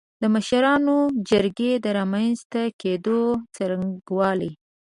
د مشرانو جرګې د رامنځ ته کېدو څرنګوالی